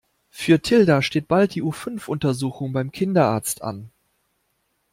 Für Tilda steht bald die U-Fünf Untersuchung beim Kinderarzt an.